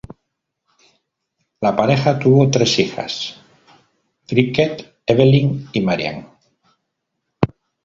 La pareja tuvo tres hijas: Cricket, Evelyn y Marian.